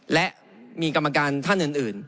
และมีกรรมการท่านอื่น